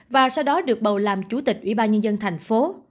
và sau đó được bầu làm chủ tịch ủy ban nhân dân thành phố